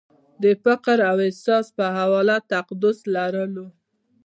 د فکر او احساس په حواله تقدس لرلو